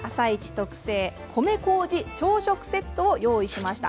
特製米こうじ朝食セットを用意しました。